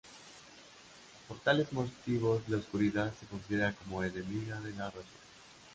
Por tales motivos la oscuridad se considera como enemiga de la razón.